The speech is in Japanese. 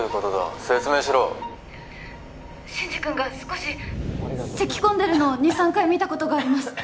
説明しろ真司君が少しせきこんでるのを２３回見たことがあります